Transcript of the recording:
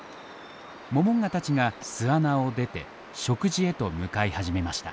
モモンガたちが巣穴を出て食事へと向かい始めました。